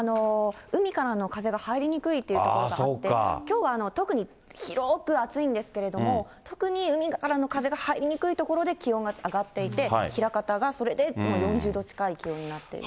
海からの風が入りにくいというところがあって、きょうは特に広く暑いんですけれども、特に海からの風が入りにくいところで気温が上がっていて、枚方がそれで４０度近い気温になっていると。